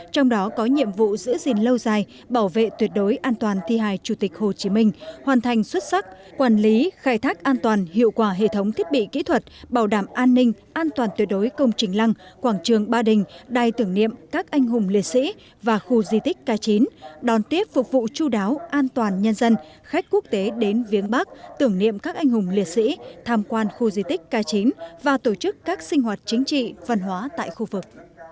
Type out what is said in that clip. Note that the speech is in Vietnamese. trong đó có nhiệm vụ giữ gìn lâu dài bảo vệ tuyệt đối an toàn thi hài chủ tịch hồ chí minh hoàn thành xuất sắc quản lý khai thác an toàn hiệu quả hệ thống thiết bị kỹ thuật bảo đảm an ninh an toàn tuyệt đối công trình lăng quảng trường ba đình đài tưởng niệm các anh hùng liệt sĩ và khu di tích k chín đón tiếp phục vụ chú đáo an toàn nhân dân khách quốc tế đến viếng bắc tưởng niệm các anh hùng liệt sĩ tham quan khu di tích k chín và tổ chức các sinh hoạt chính trị văn hóa tại khu vực